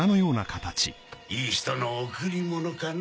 いい人の贈り物かな？